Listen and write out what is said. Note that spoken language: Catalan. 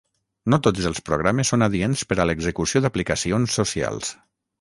No tots els programes són adients per a l’execució d’aplicacions socials.